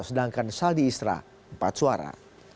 sedangkan saldi isra empat suara